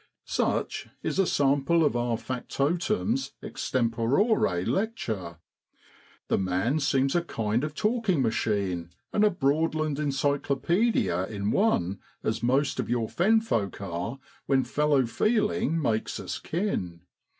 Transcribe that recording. Such is a sample of our factotum's extempore lecture. The man seems a kind of talking machine and a Broadland encyclopaedia in one, as most of your fen folk are when fellow feeling makes us kin.